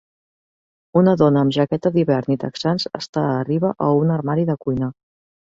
Una dona amb jaqueta d'hivern i texans està arriba a un armari de cuina.